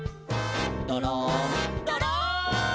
「どろんどろん」